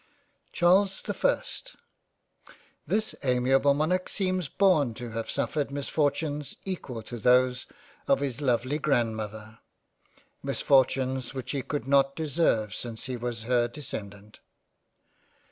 CHARLES the ist THIS amiable Monarch seems born to have suffered misfortunes equal to those of his lovely Grandmother; misfortunes which he could not deserve since he was her descendant.